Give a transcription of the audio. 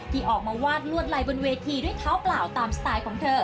ที่ออกมาวาดลวดลายบนเวทีด้วยเท้าเปล่าตามสไตล์ของเธอ